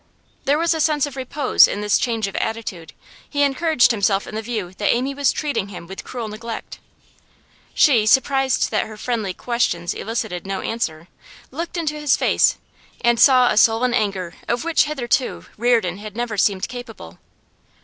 There was a sense of repose in this change of attitude; he encouraged himself in the view that Amy was treating him with cruel neglect. She, surprised that her friendly questions elicited no answer, looked into his face and saw a sullen anger of which hitherto Reardon had never seemed capable.